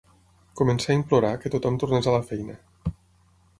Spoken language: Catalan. Començà a implorar que tothom tornés a la feina